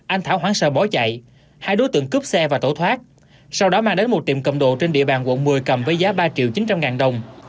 anh thảo hoãn sợ bỏ chạy hai đối tượng cướp xe và tổ thoát sau đó mang đến một tiệm cầm đồ trên địa bàn quận một mươi cầm với giá ba triệu chín trăm linh ngàn đồng